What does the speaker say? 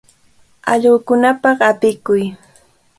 Allqukunapaq apikuy.